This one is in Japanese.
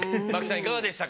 いかがでしたか？